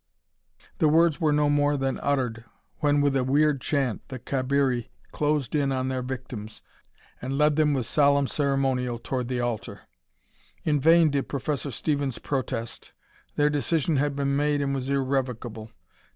The words were no more than uttered, when with a weird chant the Cabiri closed in on their victims and led them with solemn ceremonial toward the altar. In vain did Professor Stevens protest. Their decision had been made and was irrevocable.